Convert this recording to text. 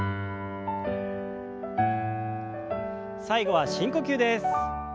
最後は深呼吸です。